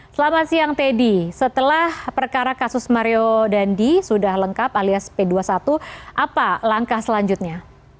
selamat siang teddy setelah perkara kasus mario dandi sudah lengkap alias p dua puluh satu apa langkah selanjutnya